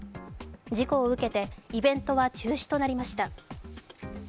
事故を受けて、イベントは中止となりました。